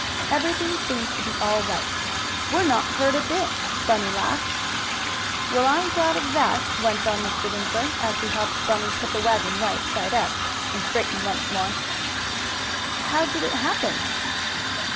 Everything seemed to be all right. "We're not hurt a bit," Bunny laughed. "Well, I'm glad of that," went on Mr. Winkler, as he helped Bunny put the wagon right side up and straight once more. "How did it happen?"